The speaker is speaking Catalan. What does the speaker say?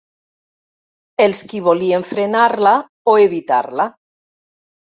...els qui volien frenar-la o evitar-la